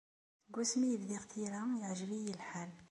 Seg wasmi i bdiɣ tira, iεejeb-iyi lḥal.